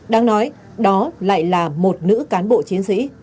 đang nói đó lại là một nữ cán bộ chiến sĩ